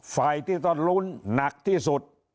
ฝ่ายที่ต้องลุ้นหนักที่สุด